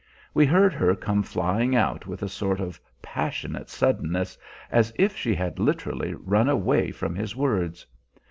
We heard her come flying out with a sort of passionate suddenness, as if she had literally run away from his words.